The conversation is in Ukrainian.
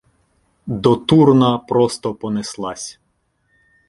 До Турна просто понеслась.